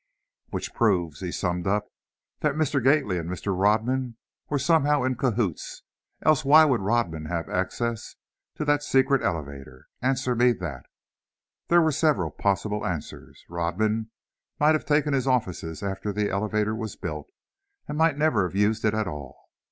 "Which proves," he summed up, "that Mr. Gately and Mr. Rodman was somehow in cahoots, else why would Rodman have access to that secret elevator? Answer me that!" There were several possible answers. Rodman might have taken his offices after the elevator was built, and might never have used it at all.